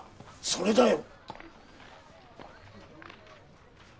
それだよ。